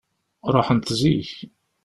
Ruḥent zik.